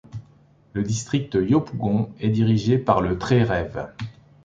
Le district de yopougon est dirigé par le Très Rev.